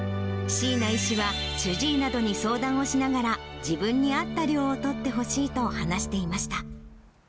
椎名医師は主治医などに相談をしながら、自分に合った量をとってほしいと話していました。